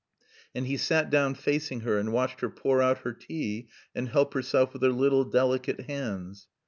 And he sat down facing her and watched her pour out her tea and help herself with her little delicate hands.